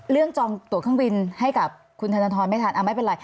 จองตัวเครื่องบินให้กับคุณธนทรไม่ทันไม่เป็นไร